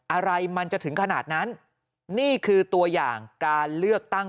อะไรมันจะถึงขนาดนั้นนี่คือตัวอย่างการเลือกตั้ง